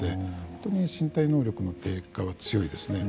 特に身体能力の低下は強いですね。